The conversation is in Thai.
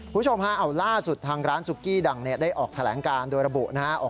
คุณผู้ชมฮะเอาล่าสุดทางร้านซุกี้ดังได้ออกแถลงการโดยระบุนะครับ